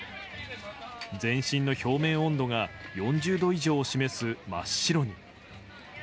全身の表面温度が４０度以上を示す真っ白に。